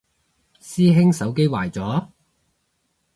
師兄手機壞咗？